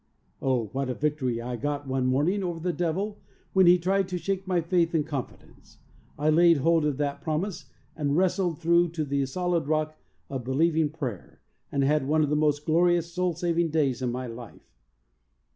Oh, what a victory I got one morning over the devil, when hf tried to shake my faith and confidence ! I laid hold of that promise and wrestled through to the solid rock of believing prayer, and had one of the most glorious soul saving days in my life!